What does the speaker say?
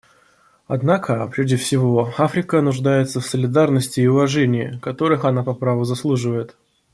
Однако, прежде всего, Африка нуждается в солидарности и уважении, которых она по праву заслуживает.